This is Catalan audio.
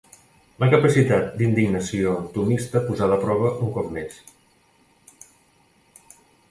La capacitat d'indignació tomista posada a prova, un cop més.